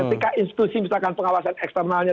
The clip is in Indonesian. ketika institusi misalkan pengawasan eksternalnya